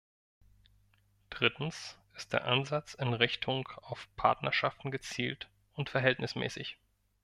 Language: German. Drittens ist der Ansatz in Richtung auf Partnerschaften gezielt und verhältnismäßig.